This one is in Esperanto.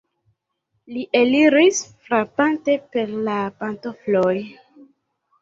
Li eliris, frapante per la pantofloj.